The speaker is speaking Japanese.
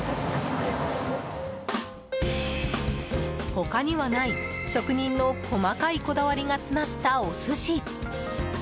他にはない職人の細かいこだわりが詰まったお寿司。